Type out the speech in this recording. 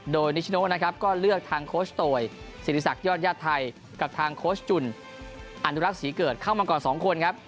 โดยนิชโนนะครับก็เลือกทางโคชโตยศิริษักยอดญาติไทยกับทางโค้ชจุ่นอนุรักษ์ศรีเกิดเข้ามาก่อน๒คนครับ